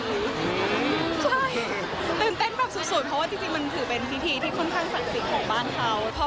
ตื่นเต้นแบบสุดเพราะว่าจริงมันถือเป็นพิธีที่ค่อนข้างศักดิ์สิทธิ์ของบ้านเขา